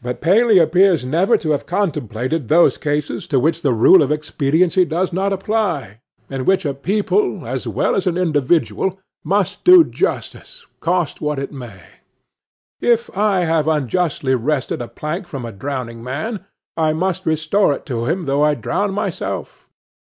But Paley appears never to have contemplated those cases to which the rule of expediency does not apply, in which a people, as well as an individual, must do justice, cost what it may. If I have unjustly wrested a plank from a drowning man, I must restore it to him though I drown myself.